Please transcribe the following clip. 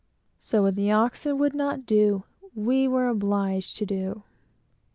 So what the oxen would not do, we were obliged to do.